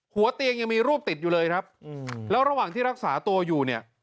หัวเตียงยังมีรูปติดอยู่เลยครับแล้วระหว่างที่รักษาตัวอยู่เนี่ย